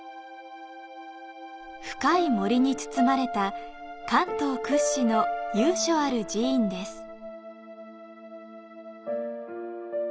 深い森に包まれた関東屈指の由緒ある寺院です。